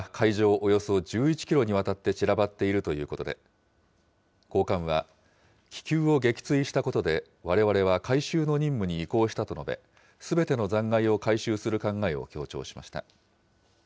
およそ１１キロにわたって散らばっているということで、高官は、気球を撃墜したことで、われわれは回収の任務に移行したと述べ、すべての残骸を回収する考えを強調しました。